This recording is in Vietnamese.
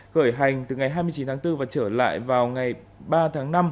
khởi hành từ ngày hai mươi chín tháng bốn và trở lại vào ngày ba tháng năm